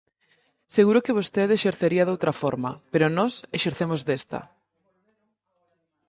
Seguro que vostede exercería doutra forma, pero nós exercemos desta.